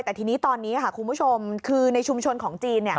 แต่ทีนี้ตอนนี้ค่ะคุณผู้ชมคือในชุมชนของจีน